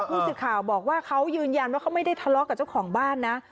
ผู้สื่อข่าวบอกว่าเขายืนยันว่าเขาไม่ได้ทะเลาะกับเจ้าของบ้านนะ